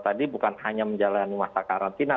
tadi bukan hanya menjalani masa karantina